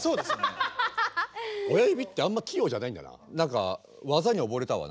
親指ってあんま器用じゃないんだな。